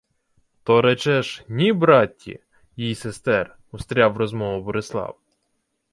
— То речеш: ні братті, їй сестер? — устряв у розмову Борислав.